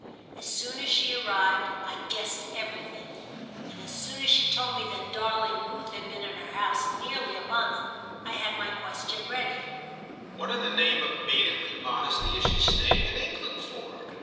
As soon as she arrived I guessed everything, and as soon as she told me that darling Ruth had been in her house nearly a month I had my question ready. "What in the name of maidenly modesty is she staying in England for?"